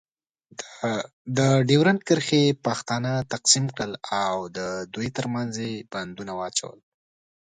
د ډیورنډ کرښې پښتانه تقسیم کړل. او دوی ترمنځ یې بندونه واچول.